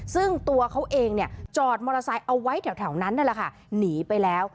ซึ่งตัวเขาเองเนี่ยจอดมอเตอร์ไซค์เอาไว้แถวนั้นนั่นแหละค่ะหนีไปแล้ว